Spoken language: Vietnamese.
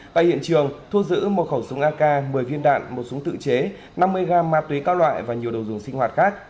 tại hiện trường thu giữ một khẩu súng ak một mươi viên đạn một súng tự chế năm mươi gram ma túy cao loại và nhiều đồ dùng sinh hoạt khác